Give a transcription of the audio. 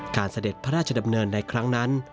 เสด็จพระราชดำเนินในครั้งนั้น